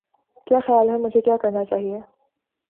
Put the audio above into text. کیا خیال ہے مجھے کیا کرنا چاہئے